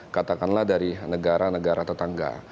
katakanlah dari negara negara tetangga